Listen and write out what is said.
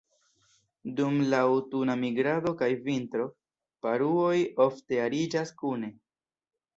Dum la aŭtuna migrado kaj vintro, paruoj ofte ariĝas kune.